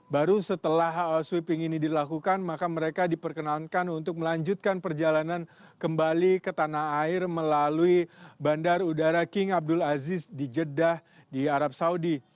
baru setelah sweeping ini dilakukan maka mereka diperkenankan untuk melanjutkan perjalanan kembali ke tanah air melalui bandar udara king abdul aziz di jeddah di arab saudi